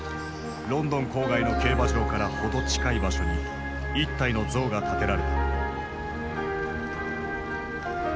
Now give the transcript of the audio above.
ロンドン郊外の競馬場から程近い場所に一体の像が建てられた。